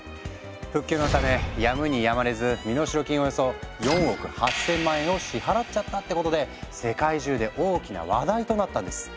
復旧のためやむにやまれず身代金およそ４億８０００万円を支払っちゃったってことで世界中で大きな話題となったんです。